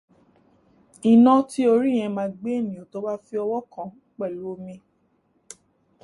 Iná tí orí yẹn má gbé ènìyàn tó bá fi ọwọ́ kan pẹ̀lú omi.